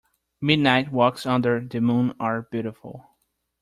Midnight walks under the moon are beautiful.